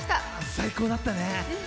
最高だったね。